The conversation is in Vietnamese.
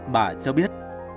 bà cho biết